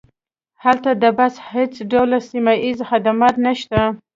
هلته د بس هیڅ ډول سیمه ییز خدمات نشته